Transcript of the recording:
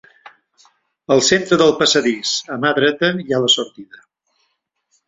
Al centre del passadís, a mà dreta hi ha la sortida.